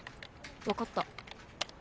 わかった。